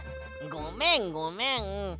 ごめんごめん。